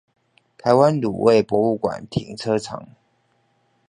台灣滷味博物館停車場